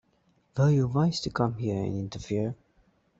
Were you wise to come here and interfere?